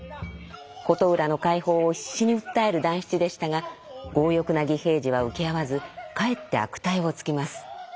琴浦の解放を必死に訴える団七でしたが強欲な義平次は請け合わずかえって悪態をつきます。